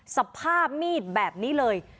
สภาพมีดแบบนี้เลย